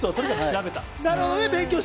とにかく史実を調べた。